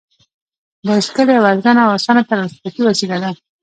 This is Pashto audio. بایسکل یوه ارزانه او اسانه ترانسپورتي وسیله ده.